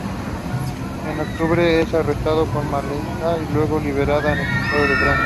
En octubre es arrestado con Malatesta, luego liberado y expulsado de Francia.